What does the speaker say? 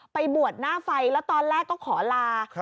ไปบวชหน้าไฟแล้วตอนแรกก็ขอลา